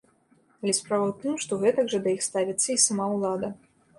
Але справа ў тым, што гэтак жа да іх ставіцца і сама ўлада.